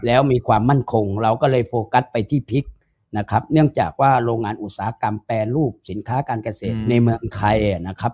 แล้วมีความมั่นคงเราก็เลยโฟกัสไปที่พริกนะครับเนื่องจากว่าโรงงานอุตสาหกรรมแปรรูปสินค้าการเกษตรในเมืองไทยนะครับ